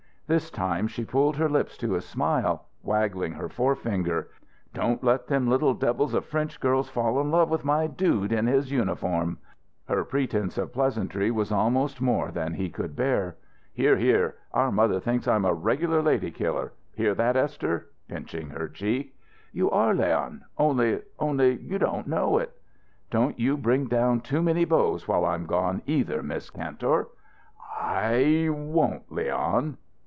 This time she pulled her lips to a smile, waggling her forefinger. "Don't let them little devils of French girls fall in love with my dude in his uniform." Her pretense at pleasantry was almost more than he could bear. "Hear! Hear! Our mother thinks I'm a regular lady killer! Hear that, Esther?" pinching her cheek. "You are, Leon only only, you don't know it." "Don't you bring down too many beaus while I'm gone, either, Miss Kantor!" "I won't, Leon."